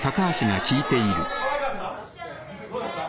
どうだった？